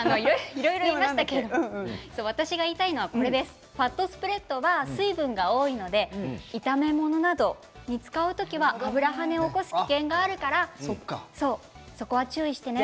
いろいろ言いましたけれど私が言いたいのはファットスプレッドは水分が多いので炒め物などに使う時は脂跳ねを起こす危険があるから、そこは注意してねと。